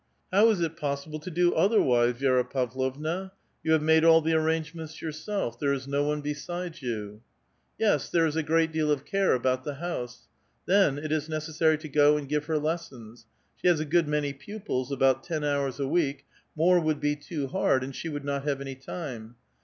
' How is it possible to do otherwise, Vi^^ra Pav lovna? you have made all the arrangements yourself, there is no one besides you." Yes, there is a great deal of care about the house. Then it is necessary to go and give her lessons ; she lias a good many pupils, about ten hours a week ; more would be too hard, and she would not have any time.